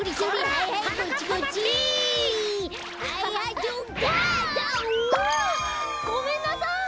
あごめんなさい。